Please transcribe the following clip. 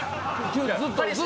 ずっと。